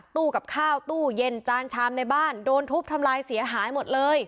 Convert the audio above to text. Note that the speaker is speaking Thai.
ตู้กับข้าวตู้เย็นจานชามในบ้านโดนทุบทำลายเสียหายหมดเลย